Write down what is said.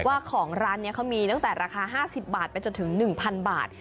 ว่าของร้านนี้เขามีตั้งแต่ราคา๕๐บาทไปจนถึง๑๐๐บาท